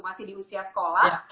masih di usia sekolah